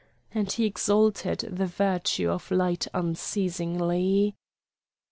And he exalted the virtue of light unceasingly.